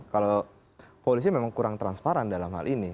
kalau polisi memang kurang transparan dalam hal ini